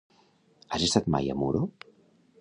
Has estat mai a Muro?